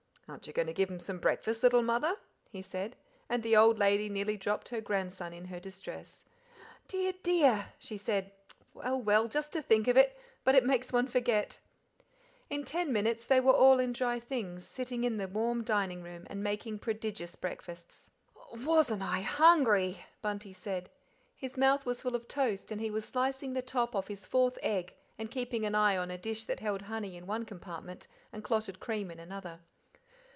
"Aren't you going to give them some breakfast, little mother?" he said, and the old lady nearly dropped her grandson in her distress. "Dear, dear!" she said. "Well, well! Just to think of it! But it makes one forget." In ten minutes they were all in dry things, sitting in the warm dining room and making prodigious breakfasts. "WASN'T I hungry!" Bunty said. His mouth was full of toast, and he was slicing the top off his fourth egg and keeping an eye on a dish that held honey in one compartment and clotted cream in another.